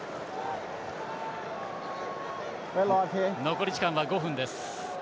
残り時間は５分です。